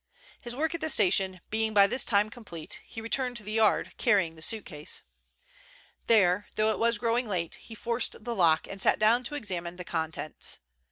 His work at the station being by this time complete, he returned to the Yard, carrying the suitcase. There, though it was growing late, he forced the lock, and sat down to examine the contents.